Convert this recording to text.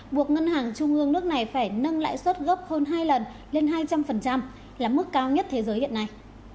buộc ngân hàng trung ương nước này phải nâng lãi suất gấp hơn hai lần lên hai trăm linh là mức cao nhất thế giới hiện nay